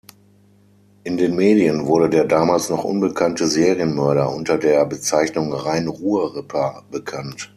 In den Medien wurde der damals noch unbekannte Serienmörder unter der Bezeichnung Rhein-Ruhr-Ripper bekannt.